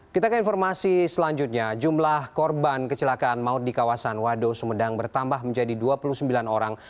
kita ke informasi selanjutnya jumlah korban kecelakaan maut di kawasan wado sumedang bertambah menjadi dua puluh sembilan orang